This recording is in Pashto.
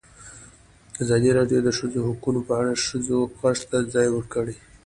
ازادي راډیو د د ښځو حقونه په اړه د ښځو غږ ته ځای ورکړی.